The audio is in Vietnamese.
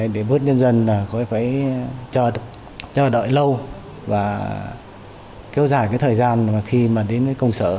để bước nhân dân là có phải chờ đợi lâu và kéo dài cái thời gian khi mà đến cái công sở